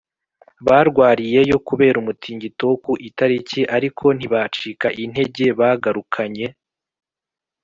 barwariyeyo, kubera umutingito wo ku itariki ariko ntibacika intege. bagarukanye